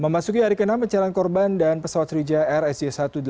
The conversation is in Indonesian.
memasuki hari ke enam pencarian korban dan pesawat sri jair sj satu ratus delapan puluh